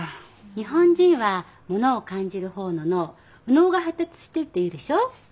日本人はものを感じる方の脳右脳が発達してるっていうでしょ。